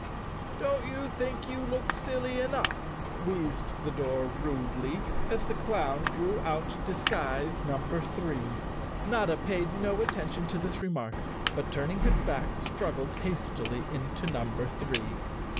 "Don't you think you look silly enough?" wheezed the door rudely, as the clown drew out disguise num¬ ber three. Notta paid no attention to this remark but, turning his back, struggled hastily into number three.